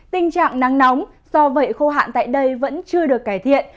tình trạng nắng nóng do vậy khô hạn tại đây vẫn chưa được cải thiện